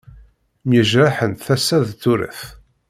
Myejraḥent tasa d turet.